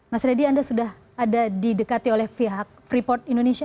mas reddy anda sudah ada didekati oleh pihak freeport indonesia